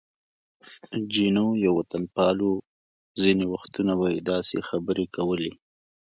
جینو یو وطنپال و، ځینې وختونه به یې داسې خبرې کولې.